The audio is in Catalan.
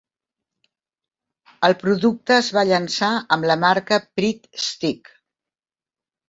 El producte es va llançar amb la marca Pritt Stick.